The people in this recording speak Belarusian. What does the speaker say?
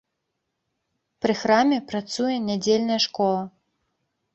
Пры храме працуе нядзельная школа.